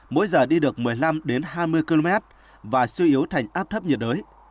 mỗi giờ đi được một mươi năm hai mươi km và suy yếu thành áp thấp nhiệt đới